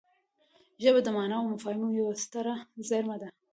ژبه د ماناوو او مفاهیمو یوه ستره زېرمه ده